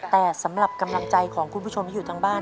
แต่สำหรับกำลังใจของคุณผู้ชมที่อยู่ทางบ้าน